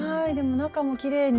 中もきれいに。